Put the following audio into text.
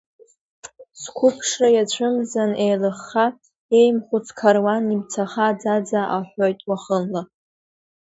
Сқәыԥшра иацәымзан еилыхха, еимхәыц қаруан имцаха аӡаӡа аҳәоит уахынла.